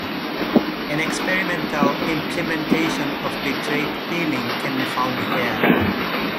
An experimental implementation of bitrate peeling can be found here.